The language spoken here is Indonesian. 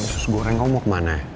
terus goreng kamu mau kemana